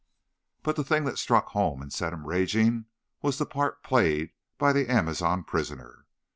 But the thing that struck home and set him raging was the part played by the Amazonian prisoner.